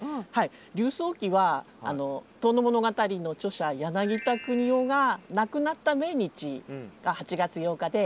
柳叟忌は「遠野物語」の著者柳田國男が亡くなった命日が８月８日で。